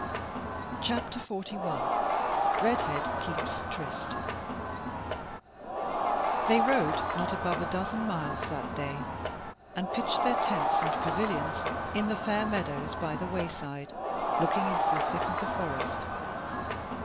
CHAPTER 41 Redhead Keeps Tryst They rode not above a dozen miles that day, and pitched their tents and pavilions in the fair meadows by the wayside looking into the thick of the forest.